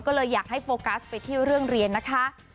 ก็เลยอยากให้โฟกัสไปที่เรื่องเรียนนะคะ